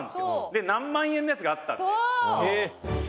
で何万円のやつがあったんで」